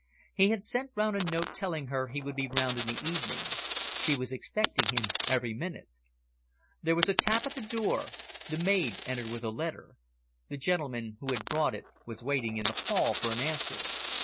He had sent round a note telling her he would be round in the evening. She was expecting him every minute. There was a tap at the door. The maid entered with a letter. The gentleman who had brought it was waiting in the hall for an answer.